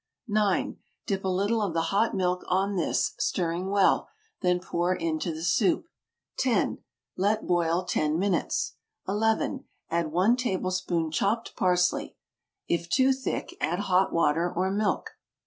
9. Dip a little of the hot milk on this, stirring well, then pour into the soup. 10. Let boil 10 minutes. 11. Add 1 tablespoon chopped parsley. If too thick, add hot water or milk.